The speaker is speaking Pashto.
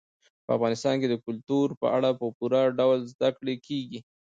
په افغانستان کې د کلتور په اړه په پوره ډول زده کړه کېږي.